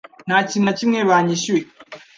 Nta kintu na kimwe banyishyuye